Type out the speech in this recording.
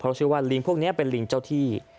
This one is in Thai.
เพราะว่าลิงพวกนี้เป็นลิงเจ้าที่